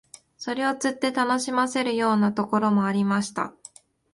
それを釣って楽しませるようなところもありました